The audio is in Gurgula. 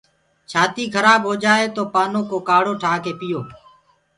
ڇآتي کرآب هوجآئي تو پآنو ڪو ڪآڙهو ٺآڪي پيو۔